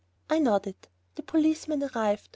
I nodded. The policeman arrived.